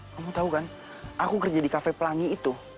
kamu tahu kan aku kerja di kafe pelangi itu